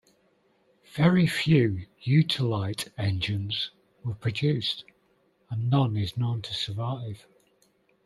Very few Utilite Engines were produced, and none is known to survive.